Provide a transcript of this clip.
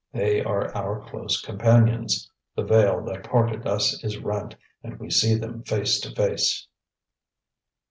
They are our close companions. The veil that parted us is rent, and we see them face to face."